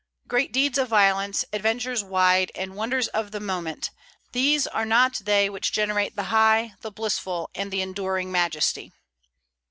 Great deeds of violence, adventures wild, And wonders of the moment, these are not they Which generate the high, the blissful, And the enduring majesty."